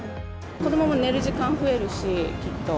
子どもも寝る時間増えるし、きっと。